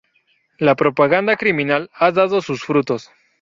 La propaganda criminal ha dado sus frutos.